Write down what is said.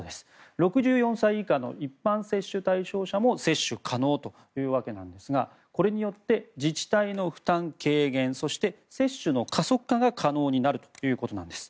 ６４歳以下の一般接種対象者も接種可能というわけなんですがこれによって自治体の負担軽減そして、接種の加速化が可能になるということです。